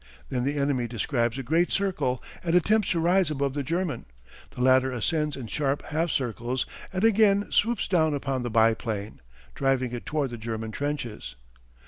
Then the enemy describes a great circle and attempts to rise above the German. The latter ascends in sharp half circles and again swoops down upon the biplane, driving it toward the German trenches.